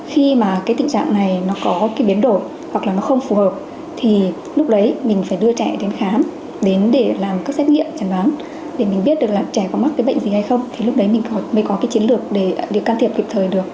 khi mà cái tình trạng này nó có cái biến đổi hoặc là nó không phù hợp thì lúc đấy mình phải đưa trẻ đến khám đến để làm các xét nghiệm chẳng đoán để mình biết được là trẻ có mắc cái bệnh gì hay không thì lúc đấy mình mới có cái chiến lược để can thiệp kịp thời được